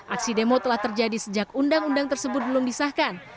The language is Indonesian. aksi demo telah terjadi sejak undang undang tersebut belum disahkan